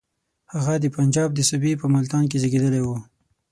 هغه د پنجاب د صوبې په ملتان کې زېږېدلی وو.